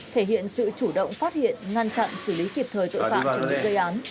thể hiện sự chủ động phát hiện ngăn chặn xử lý kịp thời tội phạm trong những gây án